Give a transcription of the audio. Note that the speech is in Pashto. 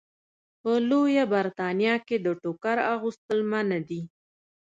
په لویه برېتانیا کې د ټوکر اغوستل منع دي.